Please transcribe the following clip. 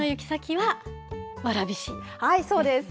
はい、そうです。